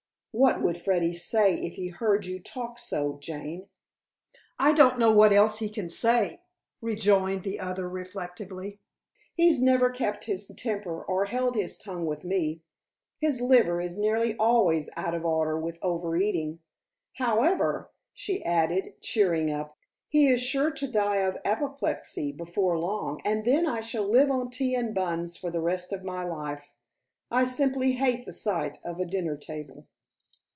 "What would Freddy say if he heard you talk so, Jane?" "I don't know what else he can say," rejoined the other reflectively. "He's never kept his temper or held his tongue with me. His liver is nearly always out of order with over eating. However," she added cheering up, "he is sure to die of apoplexy before long, and then I shall live on tea and buns for the rest of my life. I simply hate the sight of a dinner table."